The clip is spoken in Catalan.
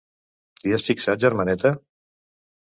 T'hi has fixat, germaneta?